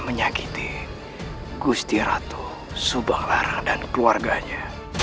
menyakiti gusti ratu subang larang dan keluarganya